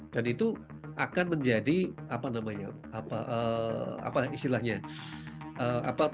dan itu akan menjadi apa namanya apa istilahnya